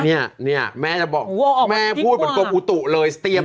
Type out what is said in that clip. เนี่ยแม่จะบอกแม่พูดเหมือนกรมอูตุเลย